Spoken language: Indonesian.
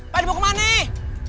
pak dibu ke mana nih